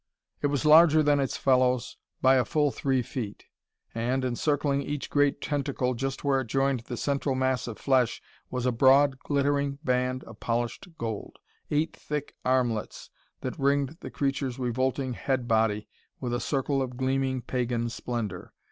It was larger than its fellows by a full three feet. And, encircling each great tentacle just where it joined the central mass of flesh, was a broad, glittering band of polished gold eight thick armlets that ringed the creature's revolting head body with a circle of gleaming pagan splendor.